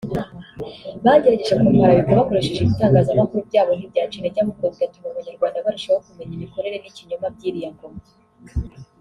Bagerageje kumparabika bakoresheje ibitangazamakuru byabo ntibyanca intege ahubwo bigatuma abanyarwanda barushaho kumenya imikorere n’ikinyoma by’iriya ngoma